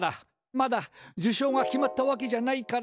まだ受賞が決まったわけじゃないから。